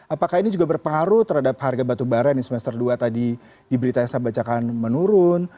apakah ini juga berpengaruh terhadap harga batubara di semester dua tadi di berita yang saya bacakan menurun